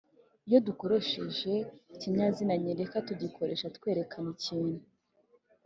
Iyo dukoresheje ikinyazina nyereka tugikoresha twerekana ikintu